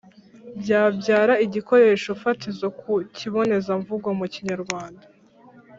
byabyara igikoresho fatizo ku kibonezamvugo mu Kinyarwanda.